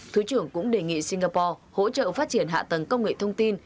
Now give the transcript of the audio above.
thứ trưởng cũng đề nghị singapore hỗ trợ phát triển hạ tầng công nghệ thông tin